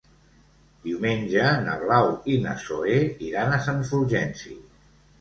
Diumenge na Blau i na Zoè iran a Sant Fulgenci.